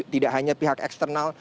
tidak hanya pihak eksternal